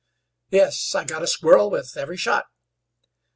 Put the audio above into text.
"Yes; I got a squirrel for every shot."